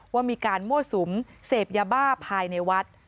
ว่ามีการมั่วสุมเสพยาบ้าภายในวัด